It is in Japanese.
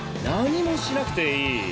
何もしなくていい。